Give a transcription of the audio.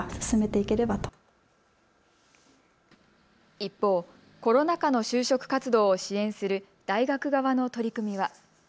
一方、コロナ禍の就職活動を支援する大学側の取り組みは。